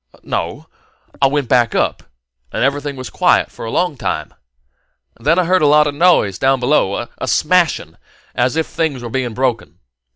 "No. I went back up, and everything was quiet for a long time. Then I heard a lot of noise down below a smashing as if things were being broken.